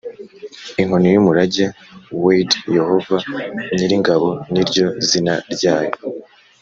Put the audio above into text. inkoni y umurage we d Yehova nyir ingabo ni ryo zina ryayo